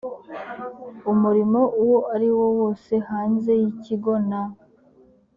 umurimo uwo ariwo wose hanze y ikigo na